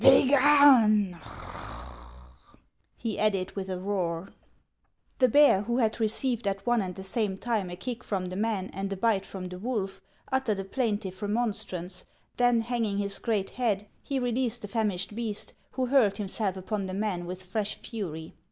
" Begone !" he added with a roar. The bear, who had received at one and the same time a kick from the man and a bite from the wolf, uttered a plaintive remonstrance ; then, hanging his great head, he released the famished beast, who hurled himself upon the man with fresh fury.